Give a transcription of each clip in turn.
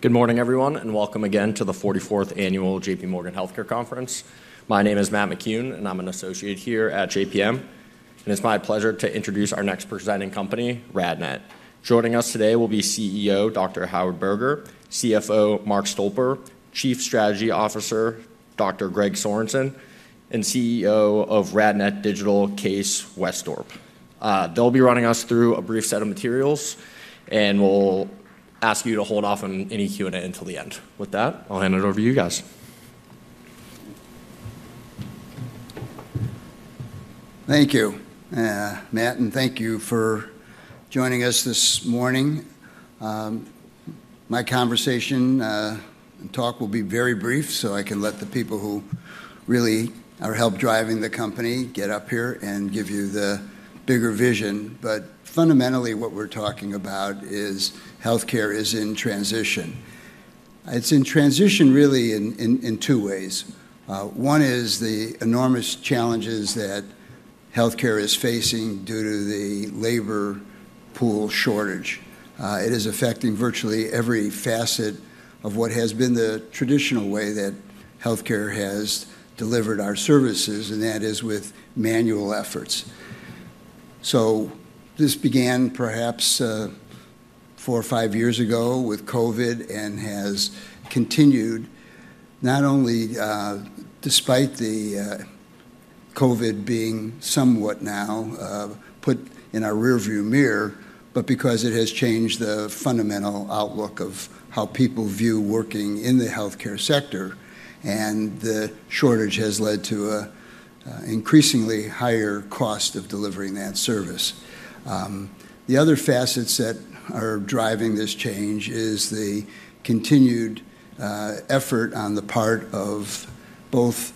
Good morning, everyone, and welcome again to the 44th Annual J.P. Morgan Healthcare Conference. My name is Matt McEwen, and I'm an associate here at J.P. Morgan. It's my pleasure to introduce our next presenting company, RadNet. Joining us today will be CEO Dr. Howard Berger, CFO Mark Stolper, Chief Strategy Officer Dr. Greg Sorensen, and CEO of RadNet Digital, Kees Wesdorp. They'll be running us through a brief set of materials, and we'll ask you to hold off on any Q&A until the end. With that, I'll hand it over to you guys. Thank you, Matt, and thank you for joining us this morning. My conversation and talk will be very brief, so I can let the people who really are help driving the company get up here and give you the bigger vision. But fundamentally, what we're talking about is healthcare is in transition. It's in transition, really, in two ways. One is the enormous challenges that healthcare is facing due to the labor pool shortage. It is affecting virtually every facet of what has been the traditional way that healthcare has delivered our services, and that is with manual efforts. This began perhaps four or five years ago with COVID and has continued not only despite the COVID being somewhat now put in our rearview mirror, but because it has changed the fundamental outlook of how people view working in the healthcare sector, and the shortage has led to an increasingly higher cost of delivering that service. The other facets that are driving this change are the continued effort on the part of both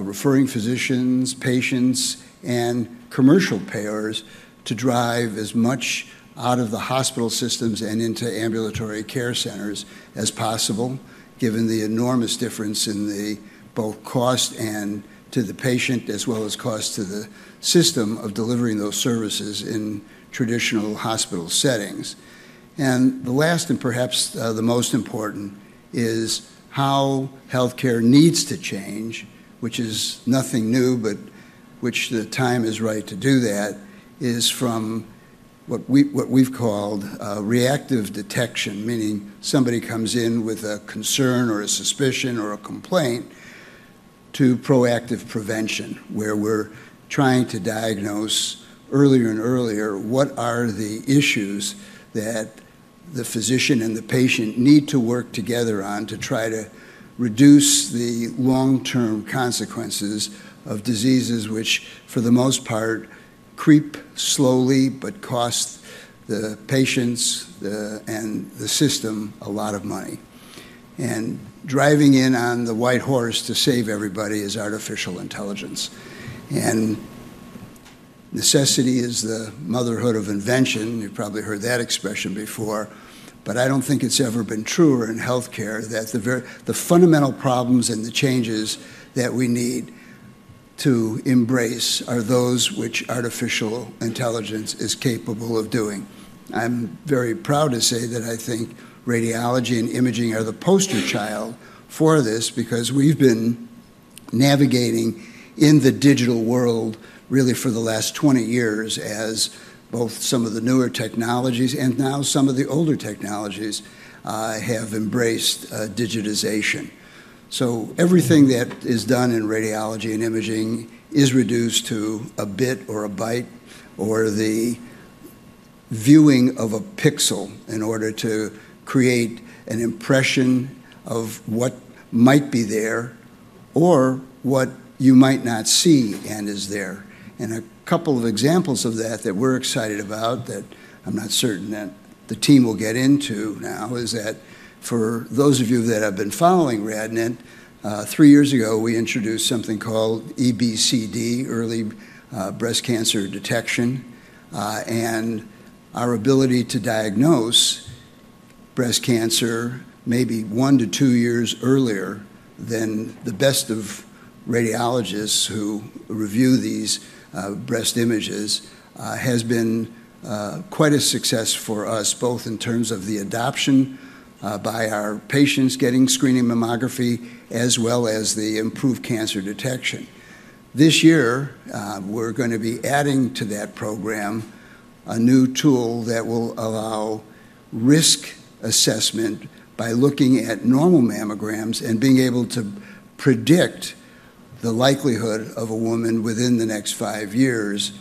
referring physicians, patients, and commercial payers to drive as much out of the hospital systems and into ambulatory care centers as possible, given the enormous difference in both cost to the patient as well as cost to the system of delivering those services in traditional hospital settings. The last, and perhaps the most important, is how healthcare needs to change, which is nothing new, but which the time is right to do that, is from what we've called reactive detection, meaning somebody comes in with a concern or a suspicion or a complaint, to proactive prevention, where we're trying to diagnose earlier and earlier what are the issues that the physician and the patient need to work together on to try to reduce the long-term consequences of diseases which, for the most part, creep slowly but cost the patients and the system a lot of money. And driving in on the white horse to save everybody is artificial intelligence. And necessity is the motherhood of invention. You've probably heard that expression before, but I don't think it's ever been truer in healthcare that the fundamental problems and the changes that we need to embrace are those which artificial intelligence is capable of doing. I'm very proud to say that I think radiology and imaging are the poster child for this because we've been navigating in the digital world, really, for the last 20 years as both some of the newer technologies and now some of the older technologies have embraced digitization, so everything that is done in radiology and imaging is reduced to a bit or a byte or the viewing of a pixel in order to create an impression of what might be there or what you might not see and is there. A couple of examples of that that we're excited about that I'm not certain that the team will get into now is that for those of you that have been following RadNet, three years ago we introduced something called EBCD, early breast cancer detection, and our ability to diagnose breast cancer maybe one to two years earlier than the best of radiologists who review these breast images has been quite a success for us, both in terms of the adoption by our patients getting screening mammography as well as the improved cancer detection. This year, we're going to be adding to that program a new tool that will allow risk assessment by looking at normal mammograms and being able to predict the likelihood of a woman within the next five years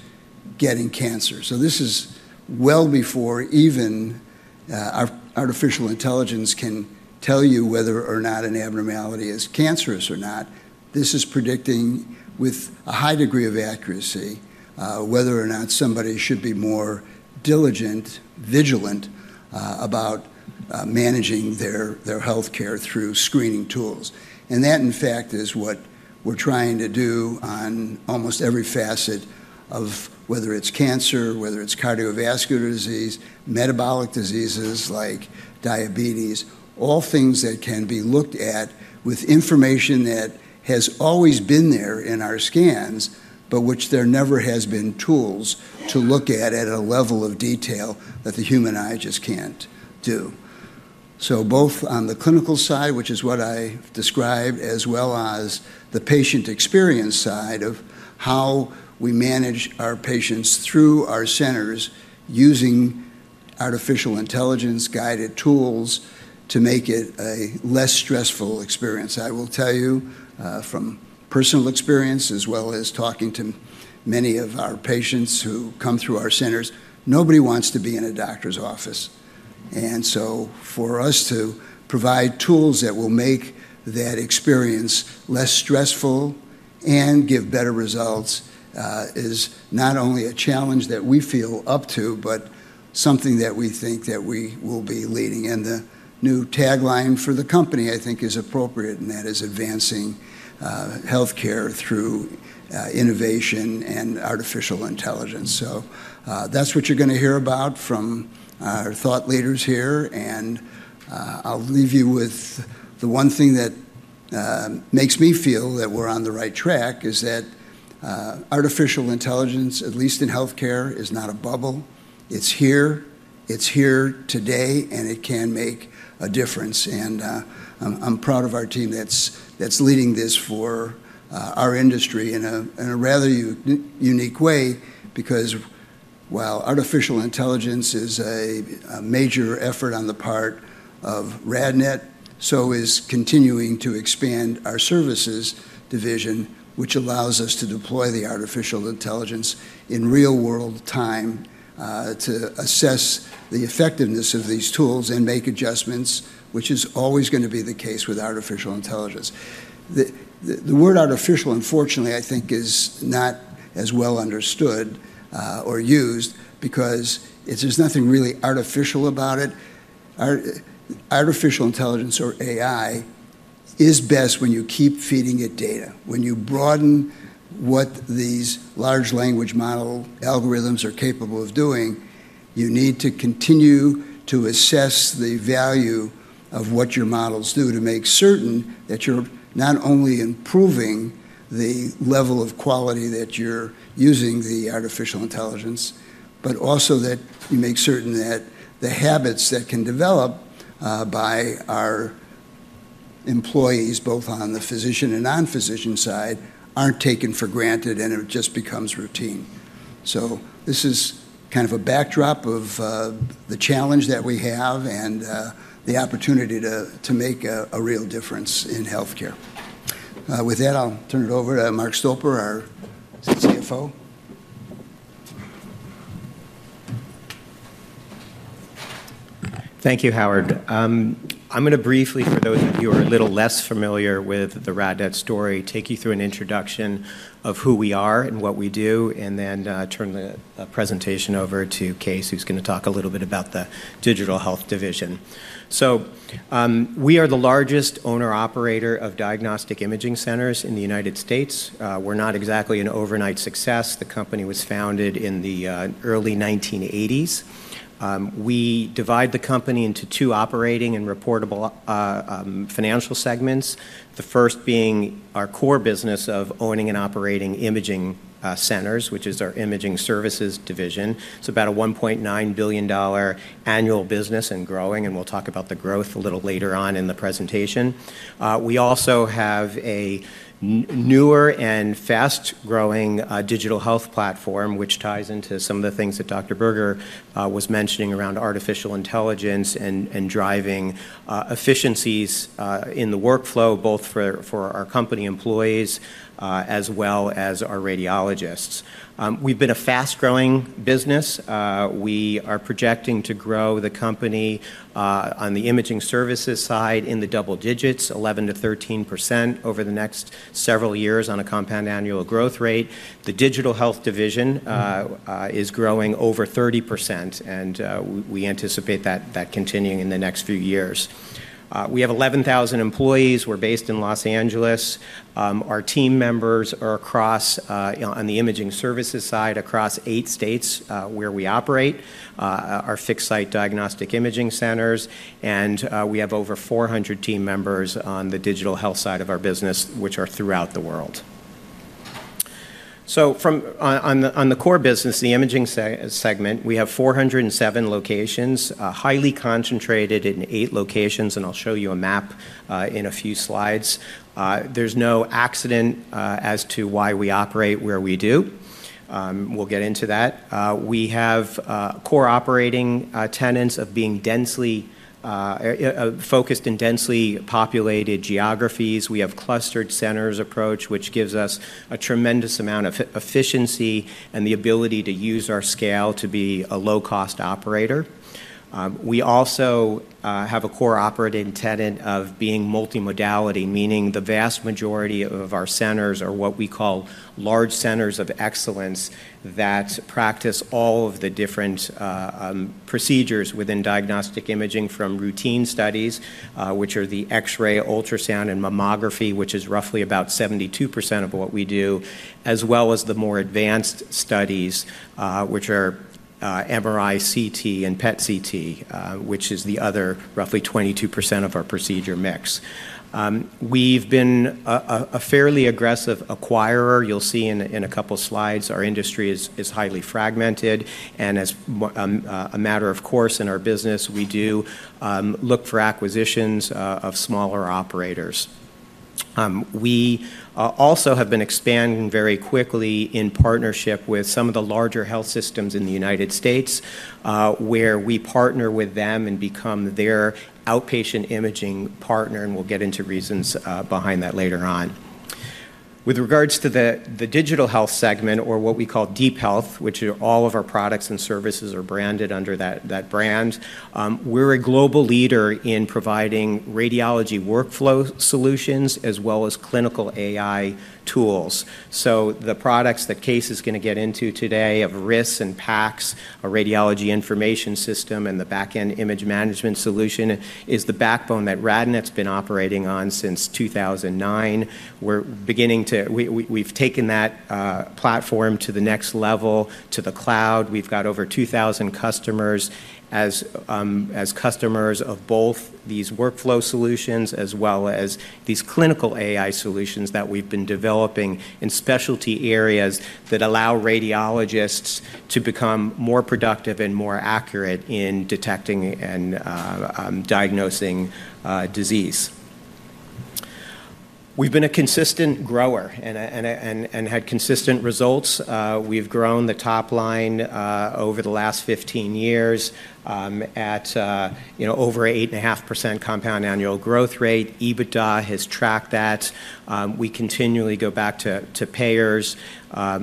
getting cancer. So this is well before even artificial intelligence can tell you whether or not an abnormality is cancerous or not. This is predicting with a high degree of accuracy whether or not somebody should be more diligent, vigilant about managing their healthcare through screening tools. And that, in fact, is what we're trying to do on almost every facet of whether it's cancer, whether it's cardiovascular disease, metabolic diseases like diabetes, all things that can be looked at with information that has always been there in our scans, but which there never has been tools to look at at a level of detail that the human eye just can't do. So both on the clinical side, which is what I described, as well as the patient experience side of how we manage our patients through our centers using artificial intelligence-guided tools to make it a less stressful experience. I will tell you from personal experience as well as talking to many of our patients who come through our centers, nobody wants to be in a doctor's office, and so for us to provide tools that will make that experience less stressful and give better results is not only a challenge that we feel up to, but something that we think that we will be leading, and the new tagline for the company, I think, is appropriate, and that is advancing healthcare through innovation and artificial intelligence, so that's what you're going to hear about from our thought leaders here, and I'll leave you with the one thing that makes me feel that we're on the right track is that artificial intelligence, at least in healthcare, is not a bubble. It's here. It's here today, and it can make a difference. And I'm proud of our team that's leading this for our industry in a rather unique way because while artificial intelligence is a major effort on the part of RadNet, so is continuing to expand our services division, which allows us to deploy the artificial intelligence in real-world time to assess the effectiveness of these tools and make adjustments, which is always going to be the case with artificial intelligence. The word artificial, unfortunately, I think, is not as well understood or used because there's nothing really artificial about it. Artificial intelligence, or AI, is best when you keep feeding it data. When you broaden what these large language model algorithms are capable of doing, you need to continue to assess the value of what your models do to make certain that you're not only improving the level of quality that you're using the artificial intelligence, but also that you make certain that the habits that can develop by our employees, both on the physician and non-physician side, aren't taken for granted and it just becomes routine. So this is kind of a backdrop of the challenge that we have and the opportunity to make a real difference in healthcare. With that, I'll turn it over to Mark Stolper, our CFO. Thank you, Howard. I'm going to briefly, for those of you who are a little less familiar with the RadNet story, take you through an introduction of who we are and what we do, and then turn the presentation over to Kees, who's going to talk a little bit about the digital health division. So we are the largest owner-operator of diagnostic imaging centers in the United States. We're not exactly an overnight success. The company was founded in the early 1980s. We divide the company into two operating and reportable financial segments, the first being our core business of owning and operating imaging centers, which is our imaging services division. It's about a $1.9 billion annual business and growing, and we'll talk about the growth a little later on in the presentation. We also have a newer and fast-growing digital health platform, which ties into some of the things that Dr. Berger was mentioning around artificial intelligence and driving efficiencies in the workflow, both for our company employees as well as our radiologists. We've been a fast-growing business. We are projecting to grow the company on the imaging services side in the double digits, 11%-13% over the next several years on a compound annual growth rate. The digital health division is growing over 30%, and we anticipate that continuing in the next few years. We have 11,000 employees. We're based in Los Angeles. Our team members are across on the imaging services side across eight states where we operate, our fixed-site diagnostic imaging centers, and we have over 400 team members on the digital health side of our business, which are throughout the world. So on the core business, the imaging segment, we have 407 locations, highly concentrated in eight locations, and I'll show you a map in a few slides. There's no accident as to why we operate where we do. We'll get into that. We have core operating tenets of being densely focused in densely populated geographies. We have clustered centers approach, which gives us a tremendous amount of efficiency and the ability to use our scale to be a low-cost operator. We also have a core operating tenet of being multimodality, meaning the vast majority of our centers are what we call large centers of excellence that practice all of the different procedures within diagnostic imaging from routine studies, which are the X-ray, ultrasound, and mammography, which is roughly about 72% of what we do, as well as the more advanced studies, which are MRI, CT, and PET CT, which is the other roughly 22% of our procedure mix. We've been a fairly aggressive acquirer. You'll see in a couple of slides, our industry is highly fragmented, and as a matter of course in our business, we do look for acquisitions of smaller operators. We also have been expanding very quickly in partnership with some of the larger health systems in the United States, where we partner with them and become their outpatient imaging partner, and we'll get into reasons behind that later on. With regards to the digital health segment, or what we call DeepHealth, which all of our products and services are branded under that brand, we're a global leader in providing radiology workflow solutions as well as clinical AI tools. So the products that Kees is going to get into today of RIS and PACS, a radiology information system and the back-end image management solution, is the backbone that RadNet's been operating on since 2009. We've taken that platform to the next level, to the cloud. We've got over 2,000 customers as customers of both these workflow solutions as well as these clinical AI solutions that we've been developing in specialty areas that allow radiologists to become more productive and more accurate in detecting and diagnosing disease. We've been a consistent grower and had consistent results. We've grown the top line over the last 15 years at over 8.5% compound annual growth rate. EBITDA has tracked that. We continually go back to payers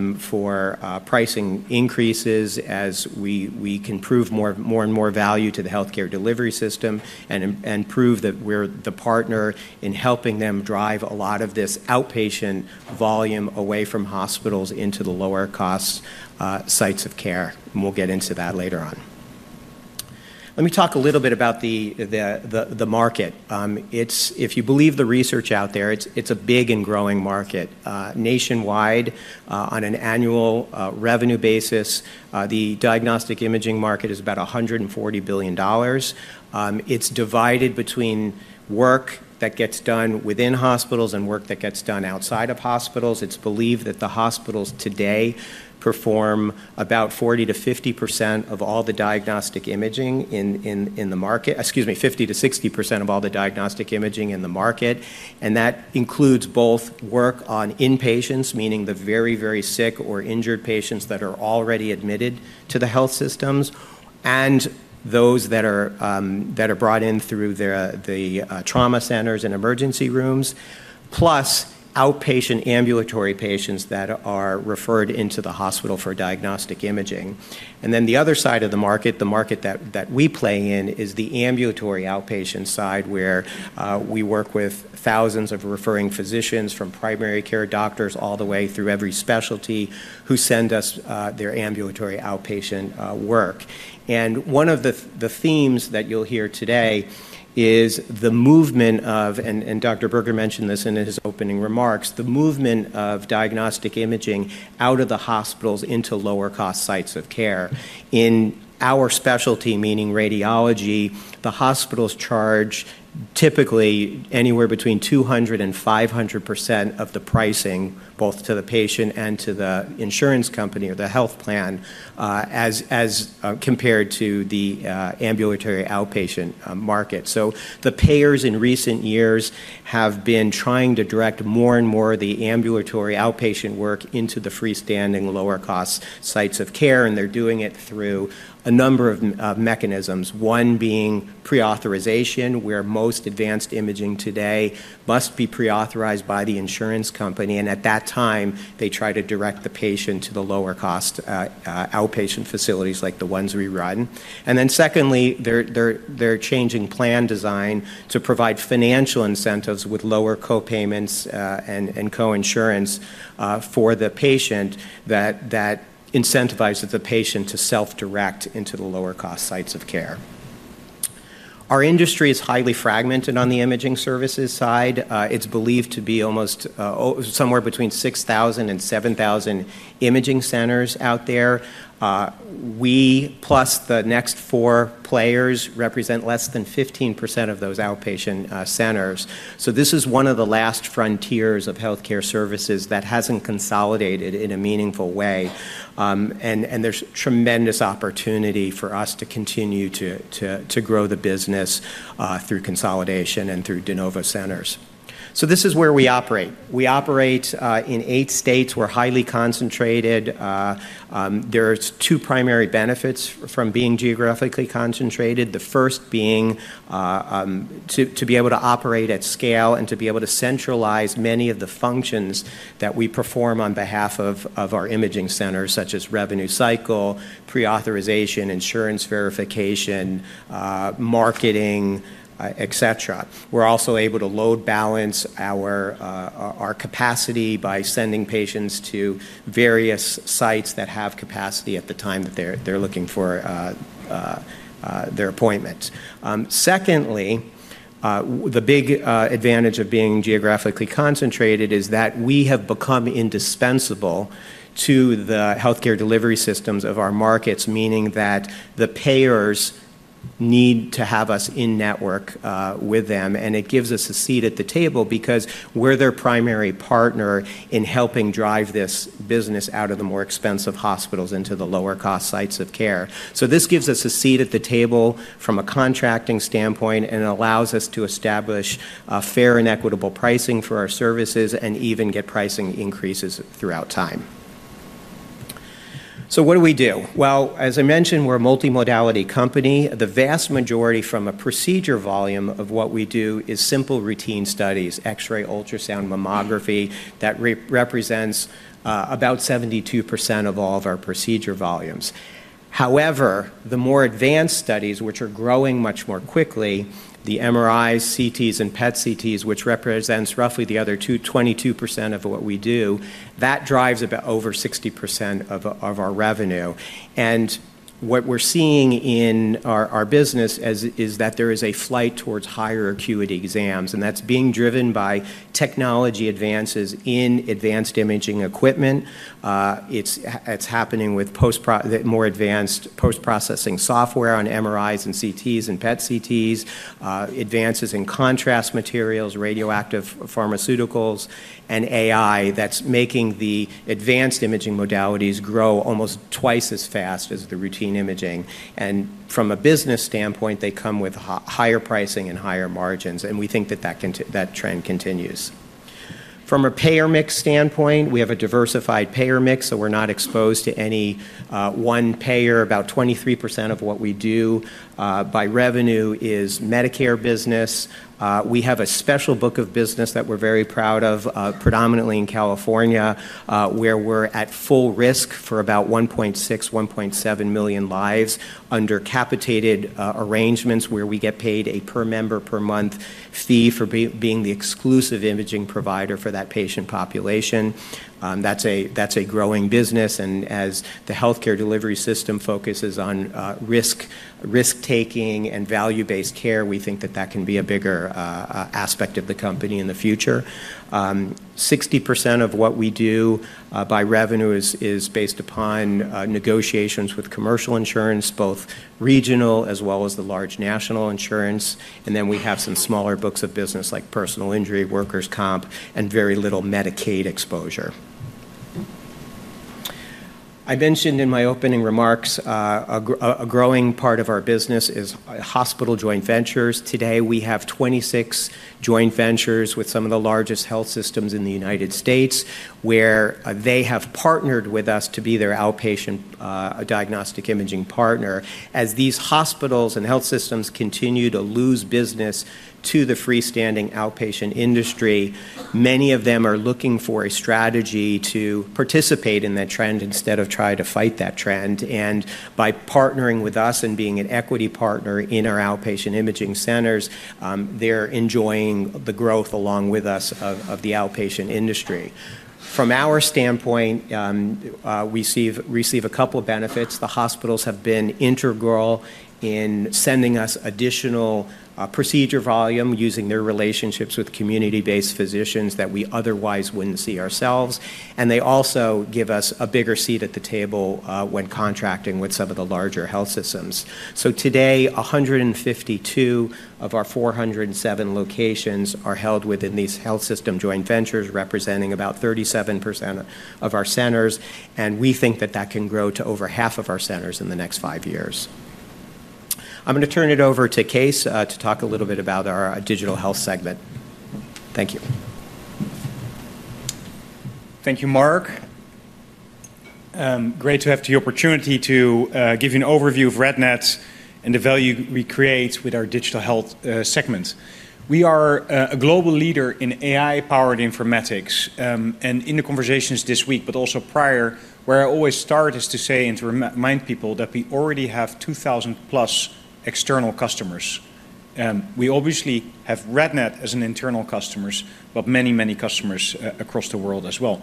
for pricing increases as we can prove more and more value to the healthcare delivery system and prove that we're the partner in helping them drive a lot of this outpatient volume away from hospitals into the lower-cost sites of care, and we'll get into that later on. Let me talk a little bit about the market. If you believe the research out there, it's a big and growing market. Nationwide, on an annual revenue basis, the diagnostic imaging market is about $140 billion. It's divided between work that gets done within hospitals and work that gets done outside of hospitals. It's believed that the hospitals today perform about 40%-50% of all the diagnostic imaging in the market excuse me, 50%-60% of all the diagnostic imaging in the market. And that includes both work on inpatients, meaning the very, very sick or injured patients that are already admitted to the health systems, and those that are brought in through the trauma centers and emergency rooms, plus outpatient ambulatory patients that are referred into the hospital for diagnostic imaging. Then the other side of the market, the market that we play in, is the ambulatory outpatient side where we work with thousands of referring physicians from primary care doctors all the way through every specialty who send us their ambulatory outpatient work. One of the themes that you'll hear today is the movement of, and Dr. Berger mentioned this in his opening remarks, the movement of diagnostic imaging out of the hospitals into lower-cost sites of care. In our specialty, meaning radiology, the hospitals charge typically anywhere between 200% and 500% of the pricing, both to the patient and to the insurance company or the health plan, as compared to the ambulatory outpatient market. So the payers in recent years have been trying to direct more and more of the ambulatory outpatient work into the freestanding lower-cost sites of care, and they're doing it through a number of mechanisms, one being pre-authorization, where most advanced imaging today must be pre-authorized by the insurance company. And at that time, they try to direct the patient to the lower-cost outpatient facilities like the ones we run. And then secondly, they're changing plan design to provide financial incentives with lower co-payments and co-insurance for the patient that incentivizes the patient to self-direct into the lower-cost sites of care. Our industry is highly fragmented on the imaging services side. It's believed to be almost somewhere between 6,000 and 7,000 imaging centers out there. We, plus the next four players, represent less than 15% of those outpatient centers. So this is one of the last frontiers of healthcare services that hasn't consolidated in a meaningful way. And there's tremendous opportunity for us to continue to grow the business through consolidation and through de novo centers. So this is where we operate. We operate in eight states. We're highly concentrated. There's two primary benefits from being geographically concentrated, the first being to be able to operate at scale and to be able to centralize many of the functions that we perform on behalf of our imaging centers, such as revenue cycle, pre-authorization, insurance verification, marketing, et cetera. We're also able to load balance our capacity by sending patients to various sites that have capacity at the time that they're looking for their appointment. Secondly, the big advantage of being geographically concentrated is that we have become indispensable to the healthcare delivery systems of our markets, meaning that the payers need to have us in network with them, and it gives us a seat at the table because we're their primary partner in helping drive this business out of the more expensive hospitals into the lower-cost sites of care. So this gives us a seat at the table from a contracting standpoint and allows us to establish fair and equitable pricing for our services and even get pricing increases throughout time. So what do we do? Well, as I mentioned, we're a multimodality company. The vast majority from a procedure volume of what we do is simple routine studies, X-ray, ultrasound, mammography that represents about 72% of all of our procedure volumes. However, the more advanced studies, which are growing much more quickly, the MRIs, CTs, and PET CTs, which represents roughly the other 22% of what we do, that drives about over 60% of our revenue. And what we're seeing in our business is that there is a flight towards higher acuity exams, and that's being driven by technology advances in advanced imaging equipment. It's happening with more advanced post-processing software on MRIs and CTs and PET CTs, advances in contrast materials, radioactive pharmaceuticals, and AI that's making the advanced imaging modalities grow almost twice as fast as the routine imaging. And from a business standpoint, they come with higher pricing and higher margins, and we think that that trend continues. From a payer mix standpoint, we have a diversified payer mix, so we're not exposed to any one payer. About 23% of what we do by revenue is Medicare business. We have a special book of business that we're very proud of, predominantly in California, where we're at full risk for about 1.6-1.7 million lives under capitated arrangements where we get paid a per member per month fee for being the exclusive imaging provider for that patient population. That's a growing business, and as the healthcare delivery system focuses on risk-taking and value-based care, we think that that can be a bigger aspect of the company in the future. 60% of what we do by revenue is based upon negotiations with commercial insurance, both regional as well as the large national insurance. And then we have some smaller books of business like personal injury, workers' comp, and very little Medicaid exposure. I mentioned in my opening remarks a growing part of our business is hospital joint ventures. Today, we have 26 joint ventures with some of the largest health systems in the United States, where they have partnered with us to be their outpatient diagnostic imaging partner. As these hospitals and health systems continue to lose business to the freestanding outpatient industry, many of them are looking for a strategy to participate in that trend instead of trying to fight that trend. And by partnering with us and being an equity partner in our outpatient imaging centers, they're enjoying the growth along with us of the outpatient industry. From our standpoint, we receive a couple of benefits. The hospitals have been integral in sending us additional procedure volume using their relationships with community-based physicians that we otherwise wouldn't see ourselves. And they also give us a bigger seat at the table when contracting with some of the larger health systems. So today, 152 of our 407 locations are held within these health system joint ventures, representing about 37% of our centers. And we think that that can grow to over half of our centers in the next five years. I'm going to turn it over to Kees to talk a little bit about our digital health segment. Thank you. Thank you, Mark. Great to have the opportunity to give you an overview of RadNet and the value we create with our digital health segment. We are a global leader in AI-powered informatics, and in the conversations this week, but also prior, where I always start is to say and to remind people that we already have 2,000-plus external customers. We obviously have RadNet as an internal customer, but many, many customers across the world as well.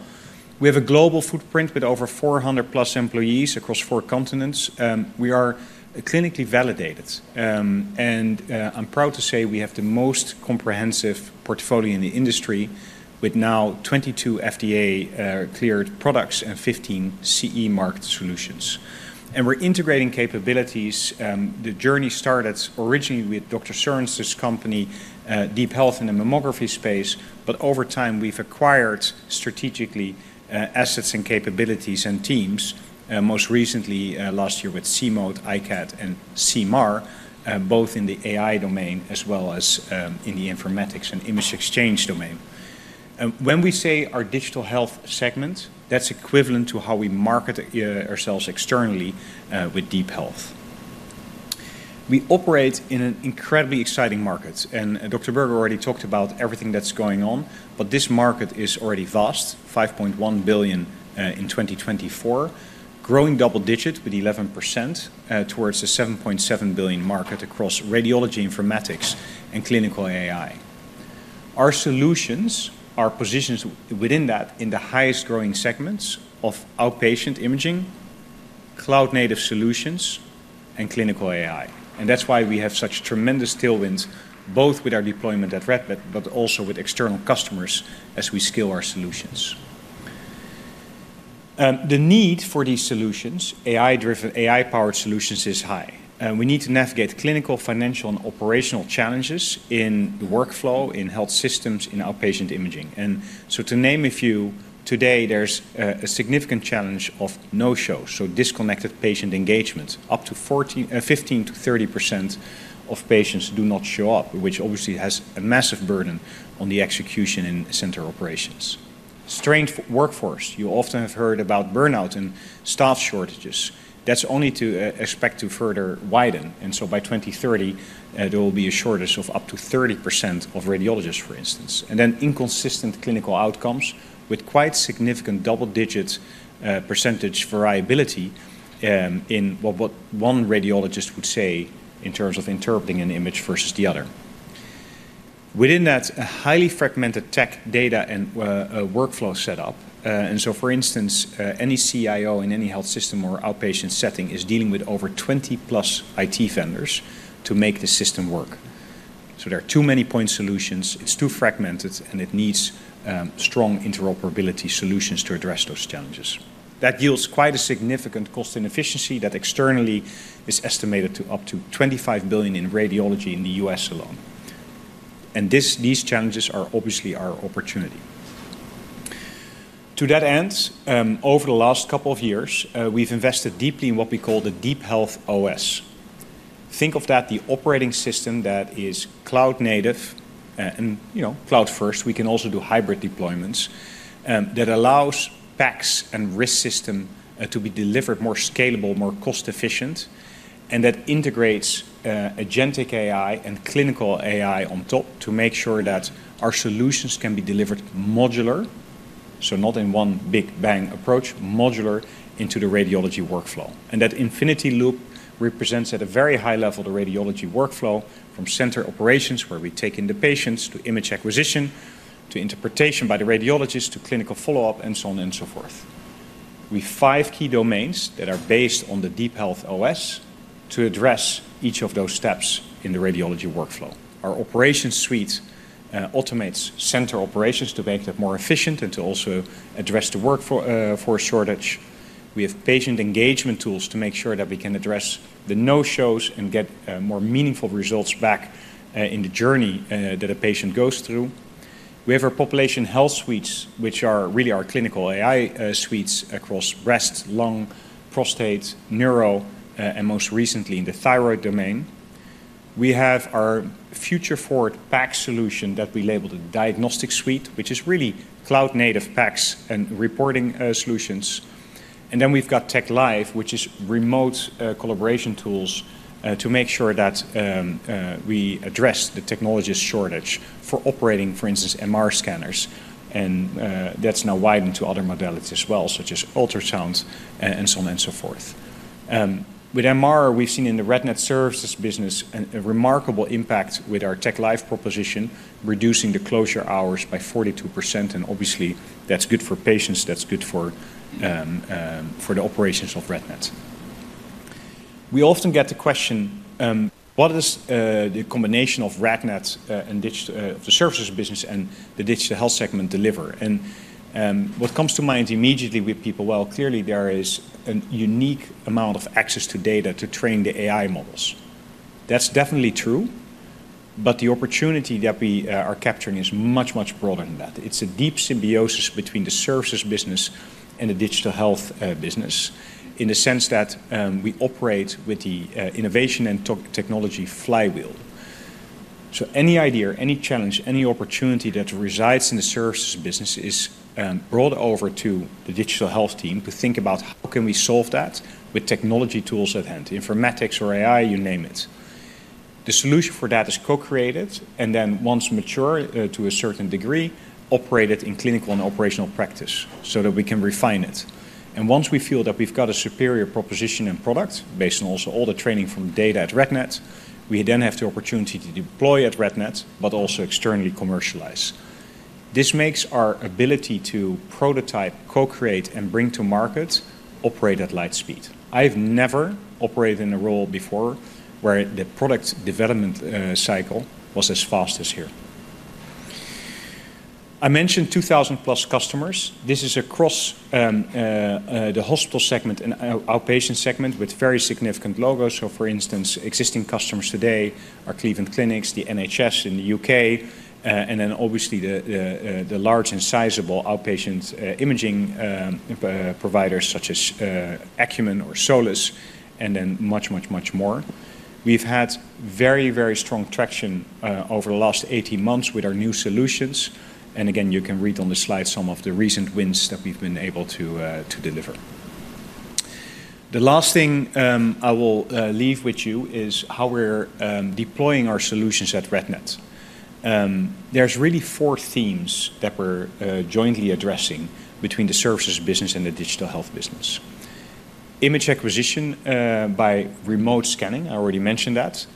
We have a global footprint with over 400-plus employees across four continents. We are clinically validated, and I'm proud to say we have the most comprehensive portfolio in the industry with now 22 FDA-cleared products and 15 CE-marked solutions. And we're integrating capabilities. The journey started originally with Dr. Sorensen, his company, DeepHealth in the mammography space. But over time, we've acquired strategically assets and capabilities and teams, most recently last year with CMOT, ICAT, and CMAR, both in the AI domain as well as in the informatics and image exchange domain. When we say our digital health segment, that's equivalent to how we market ourselves externally with DeepHealth. We operate in an incredibly exciting market. And Dr. Berger already talked about everything that's going on, but this market is already vast, $5.1 billion in 2024, growing double-digit with 11% towards the $7.7 billion market across radiology, informatics, and clinical AI. Our solutions are positioned within that in the highest-growing segments of outpatient imaging, cloud-native solutions, and clinical AI. And that's why we have such tremendous tailwinds, both with our deployment at RadNet, but also with external customers as we scale our solutions. The need for these solutions, AI-powered solutions, is high. We need to navigate clinical, financial, and operational challenges in the workflow, in health systems, in outpatient imaging. And so to name a few, today, there's a significant challenge of no-shows, so disconnected patient engagement. Up to 15%-30% of patients do not show up, which obviously has a massive burden on the execution in center operations. Strained workforce. You often have heard about burnout and staff shortages. That's only to expect to further widen. And so by 2030, there will be a shortage of up to 30% of radiologists, for instance. And then inconsistent clinical outcomes with quite significant double-digit percentage variability in what one radiologist would say in terms of interpreting an image versus the other. Within that, a highly fragmented tech data and workflow setup. And so, for instance, any CIO in any health system or outpatient setting is dealing with over 20-plus IT vendors to make the system work. So there are too many point solutions. It's too fragmented, and it needs strong interoperability solutions to address those challenges. That yields quite a significant cost inefficiency that externally is estimated to up to $25 billion in radiology in the U.S. alone. And these challenges are obviously our opportunity. To that end, over the last couple of years, we've invested deeply in what we call the DeepHealth OS. Think of that the operating system that is cloud-native and cloud-first. We can also do hybrid deployments that allows PACS and RIS system to be delivered more scalable, more cost-efficient, and that integrates Agentic AI and clinical AI on top to make sure that our solutions can be delivered modular, so not in one big bang approach, modular into the radiology workflow. That infinity loop represents at a very high level the radiology workflow from center operations, where we take in the patients to image acquisition, to interpretation by the radiologist, to clinical follow-up, and so on and so forth. We have five key domains that are based on the DeepHealth OS to address each of those steps in the radiology workflow. Our operations suite automates center operations to make that more efficient and to also address the workforce shortage. We have patient engagement tools to make sure that we can address the no-shows and get more meaningful results back in the journey that a patient goes through. We have our population health suites, which are really our clinical AI suites across breast, lung, prostate, neuro, and most recently in the thyroid domain. We have our future-forward PACS solution that we labeled a diagnostic suite, which is really cloud-native PACS and reporting solutions, and then we've got TechLive, which is remote collaboration tools to make sure that we address the technologist shortage for operating, for instance, MR scanners. And that's now widened to other modalities as well, such as ultrasound and so on and so forth. With MR, we've seen in the RadNet services business a remarkable impact with our TechLive proposition, reducing the closure hours by 42%. And obviously, that's good for patients. That's good for the operations of RadNet. We often get the question, what does the combination of RadNet and the services business and the digital health segment deliver? And what comes to mind immediately with people, well, clearly there is a unique amount of access to data to train the AI models. That's definitely true, but the opportunity that we are capturing is much, much broader than that. It's a deep symbiosis between the services business and the digital health business in the sense that we operate with the innovation and technology flywheel. So any idea, any challenge, any opportunity that resides in the services business is brought over to the digital health team to think about how can we solve that with technology tools at hand, informatics or AI, you name it. The solution for that is co-created and then, once mature to a certain degree, operated in clinical and operational practice so that we can refine it. And once we feel that we've got a superior proposition and product based on also all the training from data at RadNet, we then have the opportunity to deploy at RadNet, but also externally commercialize. This makes our ability to prototype, co-create, and bring to market operate at light speed. I've never operated in a role before where the product development cycle was as fast as here. I mentioned 2,000-plus customers. This is across the hospital segment and outpatient segment with very significant logos. So, for instance, existing customers today are Cleveland Clinic, the NHS in the UK, and then obviously the large and sizable outpatient imaging providers such as Akumin or Solis, and then much, much, much more. We've had very, very strong traction over the last 18 months with our new solutions. And again, you can read on the slide some of the recent wins that we've been able to deliver. The last thing I will leave with you is how we're deploying our solutions at RadNet. There's really four themes that we're jointly addressing between the services business and the digital health business. Image acquisition by remote scanning, I already mentioned that.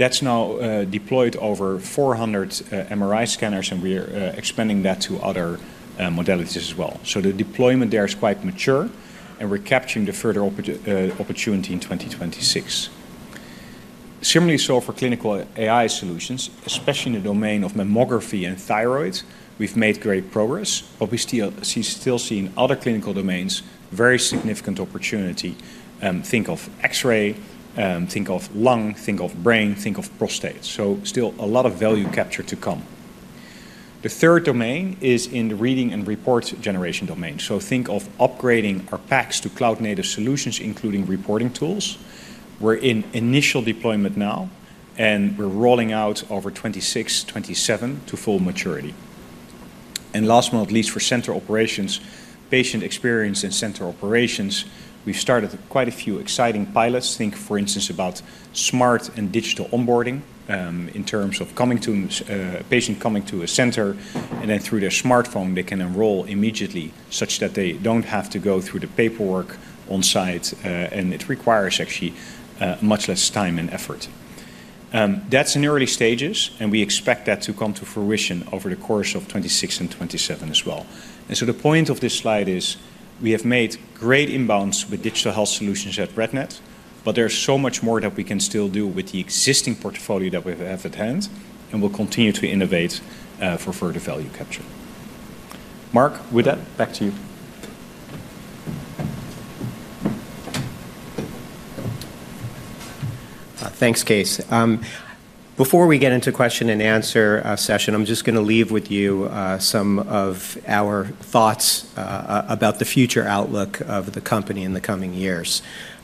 That's now deployed over 400 MRI scanners, and we're expanding that to other modalities as well. So the deployment there is quite mature, and we're capturing the further opportunity in 2026. Similarly, so for clinical AI solutions, especially in the domain of mammography and thyroid, we've made great progress, but we still see in other clinical domains very significant opportunity. Think of X-ray, think of lung, think of brain, think of prostate. So still a lot of value capture to come. The third domain is in the reading and report generation domain. So think of upgrading our PACS to cloud-native solutions, including reporting tools. We're in initial deployment now, and we're rolling out over 2026, 2027 to full maturity. And last but not least, for center operations, patient experience in center operations, we've started quite a few exciting pilots. Think, for instance, about smart and digital onboarding in terms of a patient coming to a center, and then through their smartphone, they can enroll immediately such that they don't have to go through the paperwork onsite, and it requires actually much less time and effort. That's in early stages, and we expect that to come to fruition over the course of 2026 and 2027 as well. And so the point of this slide is we have made great inroads with digital health solutions at RadNet, but there's so much more that we can still do with the existing portfolio that we have at hand, and we'll continue to innovate for further value capture. Mark, with that, back to you. Thanks, Kees. Before we get into question and answer session, I'm just going to leave you with some of our thoughts about the future outlook of the company in the coming years.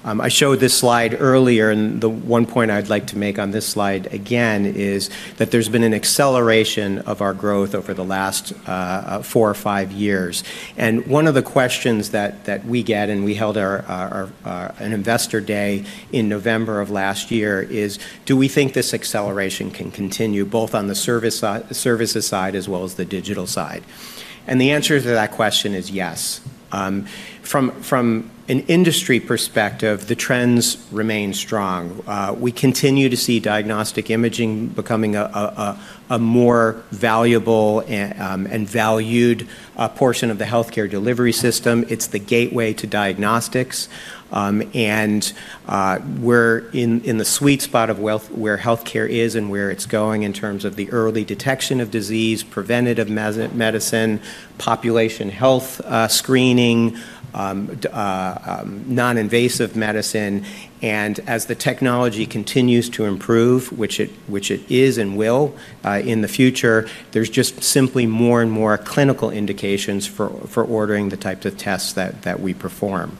I showed this slide earlier, and the one point I'd like to make on this slide again is that there's been an acceleration of our growth over the last four or five years. And one of the questions that we get, and we held an investor day in November of last year, is, do we think this acceleration can continue both on the services side as well as the digital side? And the answer to that question is yes. From an industry perspective, the trends remain strong. We continue to see diagnostic imaging becoming a more valuable and valued portion of the healthcare delivery system. It's the gateway to diagnostics. And we're in the sweet spot of where healthcare is and where it's going in terms of the early detection of disease, preventative medicine, population health screening, non-invasive medicine. And as the technology continues to improve, which it is and will in the future, there's just simply more and more clinical indications for ordering the types of tests that we perform.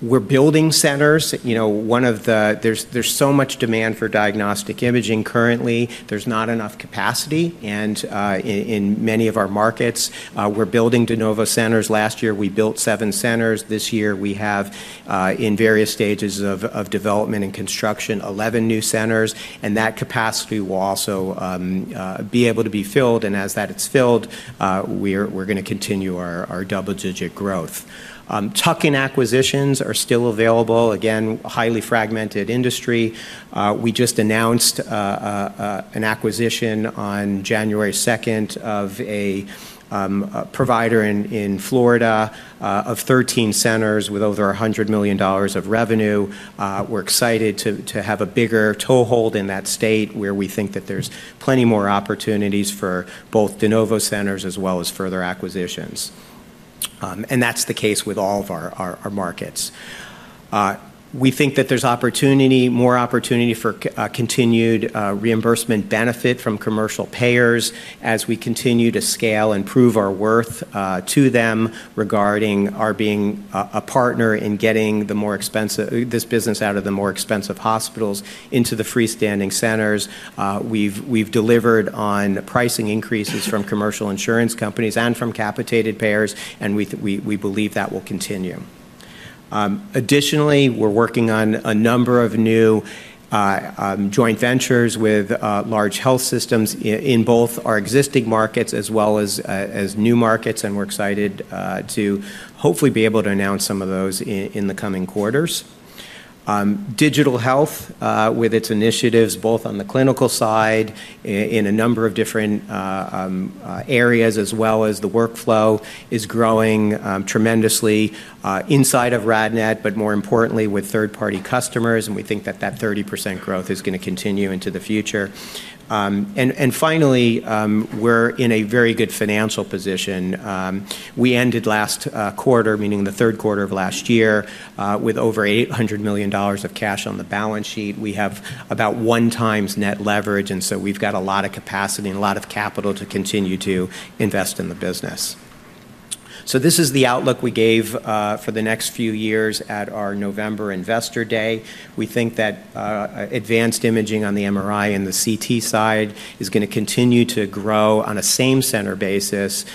We're building centers. There's so much demand for diagnostic imaging currently. There's not enough capacity. And in many of our markets, we're building de novo centers. Last year, we built seven centers. This year, we have, in various stages of development and construction, 11 new centers. And that capacity will also be able to be filled. And as that is filled, we're going to continue our double-digit growth. Tuck-in acquisitions are still available. Again, highly fragmented industry. We just announced an acquisition on January 2nd of a provider in Florida of 13 centers with over $100 million of revenue. We're excited to have a bigger toehold in that state where we think that there's plenty more opportunities for both de novo centers as well as further acquisitions, and that's the case with all of our markets. We think that there's more opportunity for continued reimbursement benefit from commercial payers as we continue to scale and prove our worth to them regarding our being a partner in getting this business out of the more expensive hospitals into the freestanding centers. We've delivered on pricing increases from commercial insurance companies and from capitated payers, and we believe that will continue. Additionally, we're working on a number of new joint ventures with large health systems in both our existing markets as well as new markets, and we're excited to hopefully be able to announce some of those in the coming quarters. Digital health, with its initiatives both on the clinical side in a number of different areas as well as the workflow, is growing tremendously inside of RadNet, but more importantly, with third-party customers. And we think that that 30% growth is going to continue into the future. And finally, we're in a very good financial position. We ended last quarter, meaning the Q3 of last year, with over $800 million of cash on the balance sheet. We have about one times net leverage, and so we've got a lot of capacity and a lot of capital to continue to invest in the business. So this is the outlook we gave for the next few years at our November investor day. We think that advanced imaging on the MRI and the CT side is going to continue to grow on a same-center basis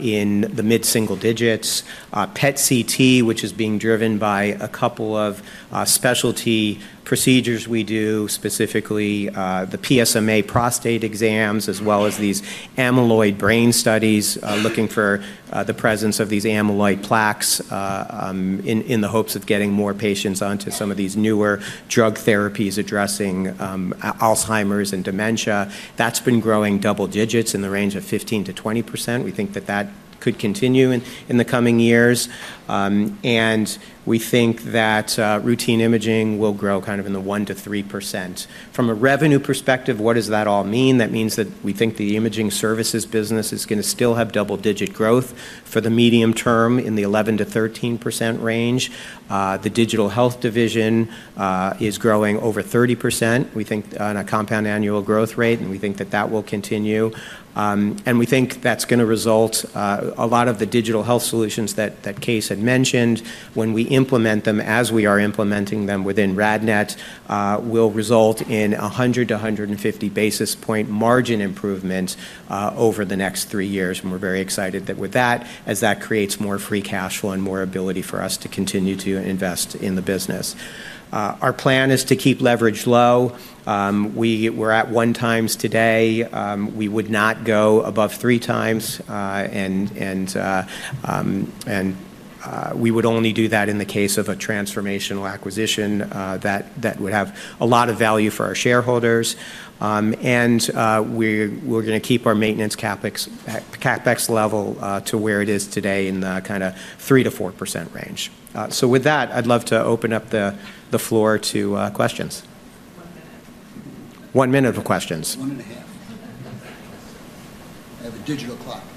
in the mid-single digits. PET CT, which is being driven by a couple of specialty procedures we do, specifically the PSMA prostate exams as well as these amyloid brain studies looking for the presence of these amyloid plaques in the hopes of getting more patients onto some of these newer drug therapies addressing Alzheimer's and dementia. That's been growing double digits in the range of 15%-20%. We think that that could continue in the coming years. And we think that routine imaging will grow kind of in the 1%-3%. From a revenue perspective, what does that all mean? That means that we think the imaging services business is going to still have double-digit growth for the medium term in the 11%-13% range. The digital health division is growing over 30%. We think on a compound annual growth rate, and we think that that will continue. And we think that's going to result a lot of the digital health solutions that Case had mentioned, when we implement them as we are implementing them within RadNet, will result in 100-150 basis point margin improvements over the next three years. And we're very excited that with that, as that creates more free cash flow and more ability for us to continue to invest in the business. Our plan is to keep leverage low. We're at one times today. We would not go above three times, and we would only do that in the case of a transformational acquisition that would have a lot of value for our shareholders. And we're going to keep our maintenance CapEx level to where it is today in the kind of 3%-4% range. So with that, I'd love to open up the floor to questions. One minute. One minute for questions. One and a half. I have a digital clock. Okay. All right.